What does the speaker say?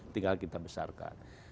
tinggal kita besarkan